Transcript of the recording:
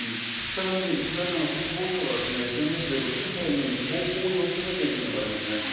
さらにウクライナの国防省がＳＮＳでロシア兵に投降を呼びかけているというのがありますね。